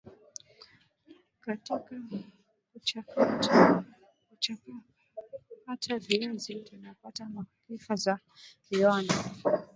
katika kuchakata viazi tunapata malighafi za viwanda